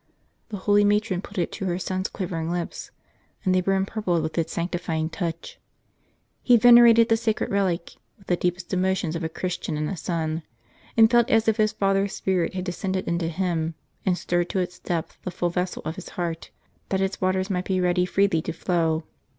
The holy matron put it to her son's quivering lips, and they were empurpled with its sanctifying touch. He vener ated the sacred relic with the deepest emotions of a Christian and a son ; and felt as if his father's spirit had descended into him, and stirred to its depths the full vessel of his heart, that its waters might be ready freely to flow.